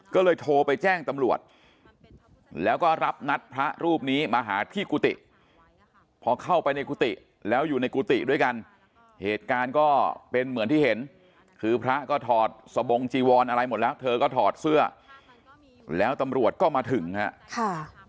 ก็เลยโทรไปแจ้งตำรวจแล้วก็รับนัดพระรูปนี้มาหาที่กุฏิพอเข้าไปในกุฏิแล้วอยู่ในกุฏิด้วยกันเหตุการณ์ก็เป็นเหมือนที่เห็นคือพระก็ถอดสบงจีวรอะไรหมดแล้วเธอก็ถอดเสื้อแล้วตำรวจก็มาถึงฮะค่ะ